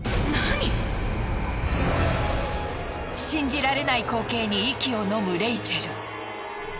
信じられない光景に息をのむレイチェル。